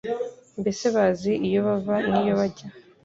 mbese bazi iyo bava n'iyo bajya